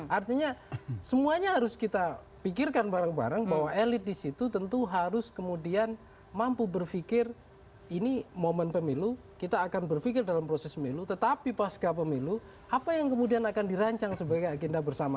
artinya semuanya harus kita pikirkan bareng bareng bahwa elit di situ tentu harus kemudian mampu berpikir ini momen pemilu kita akan berpikir dalam proses pemilu tetapi pasca pemilu apa yang kemudian akan dirancang sebagai agenda bersama